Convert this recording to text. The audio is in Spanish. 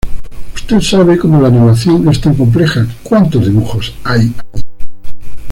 Usted sabe como, la animación es tan compleja, ¿Cuántos dibujos hay ahí?